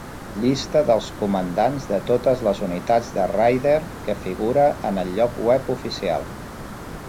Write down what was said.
Llista dels comandants de totes les unitats de Raider, que figura en el lloc web oficial.